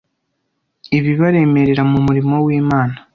ibibaremerera mu murimo w’Imana